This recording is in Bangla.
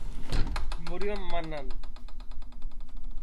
তিনি শ্রেষ্ঠ পার্শ্ব অভিনেতা বিভাগে একাডেমি পুরস্কার অর্জন করেছেন।